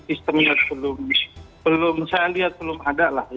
sistemnya belum saya lihat belum ada lah